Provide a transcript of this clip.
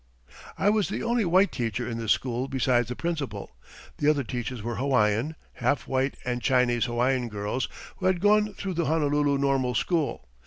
"I was the only white teacher in the school besides the principal. The other teachers were Hawaiian, half white and Chinese Hawaiian girls who had gone through the Honolulu Normal School.